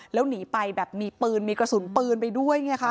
แล้วหนีไปแบบมีปืนมีกระสุนปืนไปด้วยไงคะ